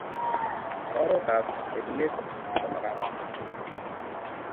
Oret ab etunet komakat